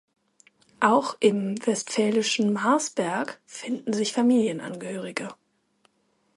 Auch im westfälischen Marsberg finden sich Familienangehörige.